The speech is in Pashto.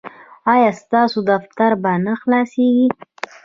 ایا ستاسو دفتر به نه خلاصیږي؟